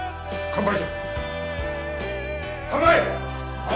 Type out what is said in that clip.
乾杯！